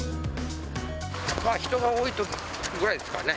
人が多いときぐらいですかね。